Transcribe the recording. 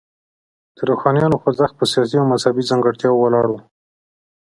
د روښانیانو خوځښت په سیاسي او مذهبي ځانګړتیاوو ولاړ و.